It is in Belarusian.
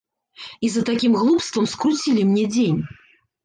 І за такім глупствам скруцілі мне дзень.